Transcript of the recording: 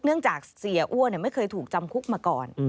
เนื่องจากเสียอ้วนไม่เคยถูกจำคุกมาก่อน